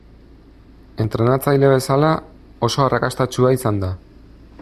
Entrenatzaile bezala oso arrakastatsua izan da.